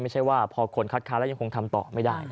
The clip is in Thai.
ไม่ใช่ว่าพอคนคัดค้านแล้วยังคงทำต่อไม่ได้